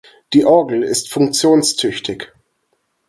Die Orgel ist funktionstüchtig.